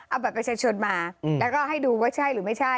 เอาบัตรประชาชนมาแล้วก็ให้ดูว่าใช่หรือไม่ใช่